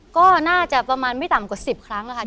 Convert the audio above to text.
ก็น่าจะประมาณไม่ต่ำกว่า๑๐ครั้งค่ะ